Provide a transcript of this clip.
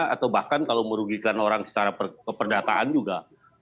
atau bahkan kalau merugikan orang secara keperdataan juga